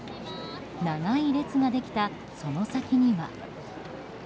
長い列ができたその先には。